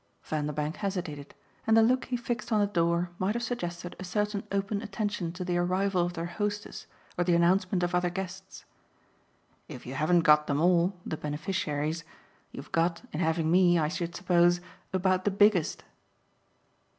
Vanderbank hesitated, and the look he fixed on the door might have suggested a certain open attention to the arrival of their hostess or the announcement of other guests. "If you haven't got them all, the beneficiaries, you've got, in having me, I should suppose, about the biggest."